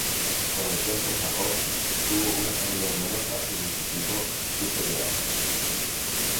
Con el tiempo, Jacob tuvo una familia numerosa y multiplicó sus propiedades.